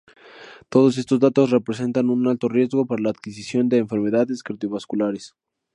Todos estos datos representan un alto riesgo para la adquisición de enfermedades cardiovasculares.